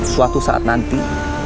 suatu saat nanti